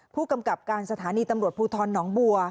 ผู้กำกับการสถานีตำรวจภูทรหนองบัว